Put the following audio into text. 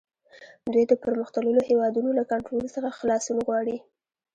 دوی د پرمختللو هیوادونو له کنټرول څخه خلاصون غواړي